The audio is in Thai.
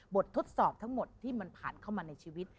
ทดสอบทั้งหมดที่มันผ่านเข้ามาในชีวิต